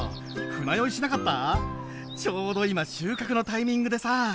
ちょうど今収穫のタイミングでさ。